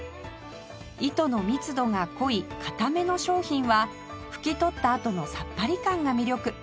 糸の密度が濃い硬めの商品は拭き取ったあとのさっぱり感が魅力